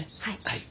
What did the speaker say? はい。